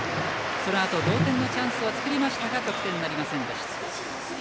そのあと、同点のチャンスを作りましたが得点なりませんでした。